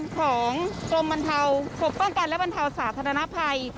ของกรมป้องกันและบรรเทาสาธารณภัย